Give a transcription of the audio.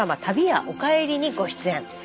「旅屋おかえり」にご出演。